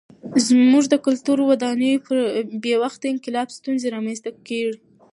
زموږ د کلتوري ودانیو بې وخته انقلاب ستونزې رامنځته کړې.